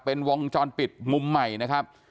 เป็นวงจรปิดมุมใหม่นะครับ